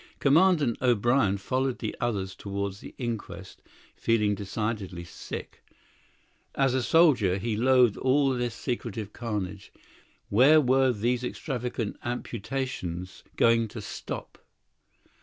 Commandant O'Brien followed the others towards the inquest, feeling decidedly sick. As a soldier, he loathed all this secretive carnage; where were these extravagant amputations going to stop?